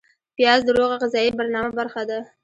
پیاز د روغه غذایي برنامه برخه ده